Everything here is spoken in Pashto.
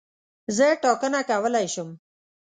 زه ټاکنه کولای شم.